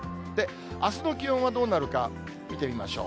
あすの気温はどうなるか、見てみましょう。